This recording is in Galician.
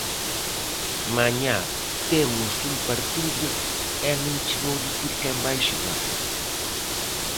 Mañá temos un partido e non che vou dicir quen vai xogar.